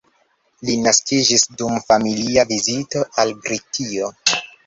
Li naskiĝis dum familia vizito al Britio.